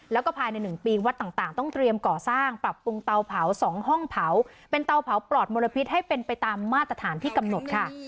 แล้วก็ภายใน๑ปีวัดต่างต้องเตรียมก่อสร้างปรับปรุงเตาเผา๒ห้องเผาเป็นเตาเผาปลอดมลพิษให้เป็นไปตามมาตรฐานที่กำหนดค่ะ